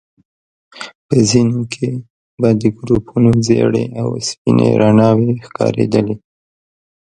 په ځينو کې به د ګروپونو ژيړې او سپينې رڼاوي ښکارېدلې.